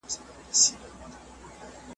چي لیدلی یې مُلا وو په اوبو کي .